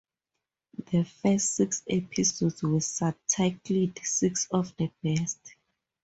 The first six episodes were subtitled "Six of the Best".